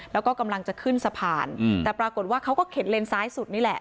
แล้วก็กำลังจะขึ้นสะพานแต่ปรากฏว่าเขาก็เข็นเลนซ้ายสุดนี่แหละ